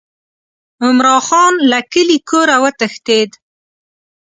عمرا خان له کلي کوره وتښتېد.